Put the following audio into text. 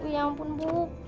ya ampun bu